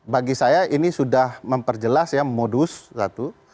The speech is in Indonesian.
bagi saya ini sudah memperjelas ya modus satu